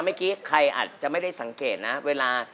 เมื่อกี้ใครอาจจะไม่ได้สังเกตนะเวลา